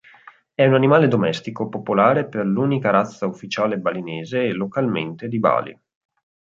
È un animale domestico popolare per l'unica razza ufficiale balinese e localmente di Bali.